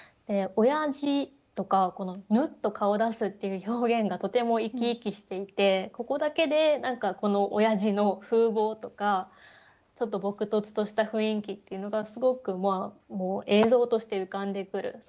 「親父」とかこの「ぬっと顔出す」っていう表現がとても生き生きしていてここだけで何かこの親父の風貌とかちょっとぼくとつとした雰囲気っていうのがすごく映像として浮かんでくる。